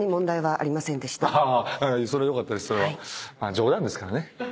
冗談ですからね。